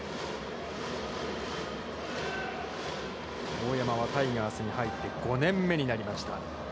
大山はタイガースに入って、５年目になりました。